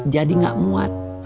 jadi gak muat